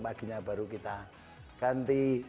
paginya baru kita ganti